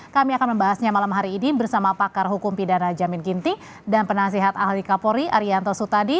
kami akan membahasnya malam hari ini bersama pakar hukum pidana jamin ginting dan penasehat ahli kapolri arianto sutadi